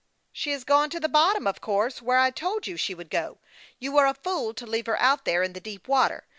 " She has gone to the bottom, of course, where I told you she would go. You were a fool to leave her out there in the deep water.